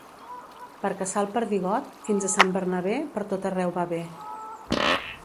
Per caçar el perdigot, fins a Sant Bernabé pertot arreu va bé.